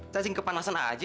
cacing kepanasan aja